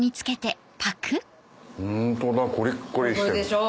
ホントだコリッコリしてる。